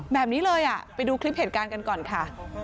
แบบนี้เลยไปดูคลิปเหตุการณ์กันก่อนค่ะ